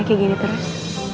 kayak gini terus